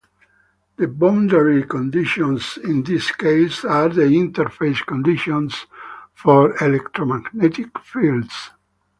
The boundary conditions in this case are the Interface conditions for electromagnetic fields.